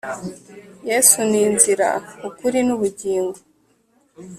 Yesu ni inzira, ukuri, n’ubuzima